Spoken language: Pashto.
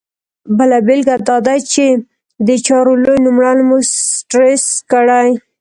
بله بېلګه دا ده چې د چارو لوی نوملړ مو سټرس کړي.